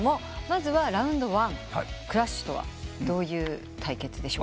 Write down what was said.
まずはラウンド１クラッシュとはどういう対決でしょうか？